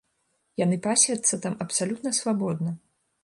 Яны пасвяцца там абсалютна свабодна.